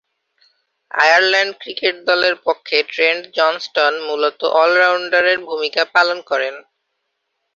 Ireland cricket দলের পক্ষে Trent Johnston মূলতঃ অল-রাউন্ডারের ভূমিকা পালন করেন।